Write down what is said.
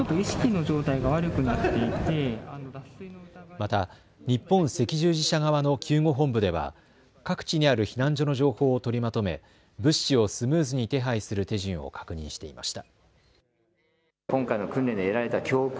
また、日本赤十字社側の救護本部では各地にある避難所の情報を取りまとめ物資をスムーズに手配する手順を確認していました。